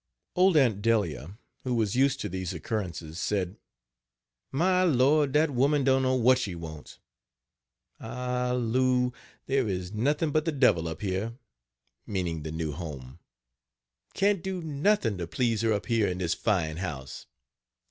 Old Aunt Delia, who was used to these occurances, said: "My Lord! dat woman dunno what she wants. Ah! Lou, there is nothing but the devil up here, (meaning the new home); can't do nothin to please her up here in dis fine house.